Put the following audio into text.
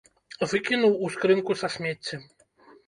Выкінуў ў скрынку са смеццем.